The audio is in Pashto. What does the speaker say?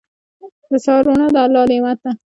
• د سهار روڼا د الله نعمت دی.